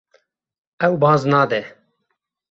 Ew baz nade.